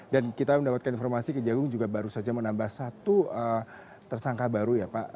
dan kita mendapatkan informasi kejaksaan agung juga baru saja menambah satu tersangka baru ya pak